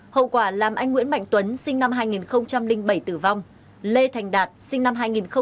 hậu quả làm anh nguyễn mạnh tuấn sinh năm hai nghìn bảy tử vong lê thành đạt sinh năm hai nghìn